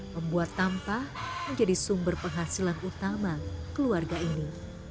membuat tampah menjadi sumber penghasilan utama keluarga ini